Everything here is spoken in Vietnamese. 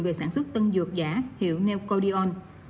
về sản xuất tân dược giả hiệu neocordion